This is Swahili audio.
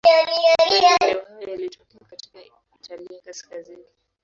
Maendeleo hayo yalitokea katika Italia kaskazini.